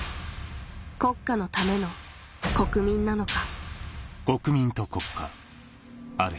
国家のための国民なのか？